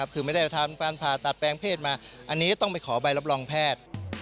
คือไม่ได้ทำการผ่าตัดแปลงเพศมาอันนี้ต้องไปขอใบรับรองแพทย์